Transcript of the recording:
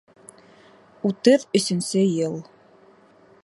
Утыҙ өсөнсө йыл.